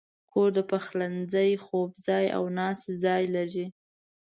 کور د پخلنځي، خوب ځای، او ناستې ځای لري.